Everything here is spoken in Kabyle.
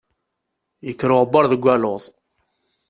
Ikker uɣebbar deg waluḍ.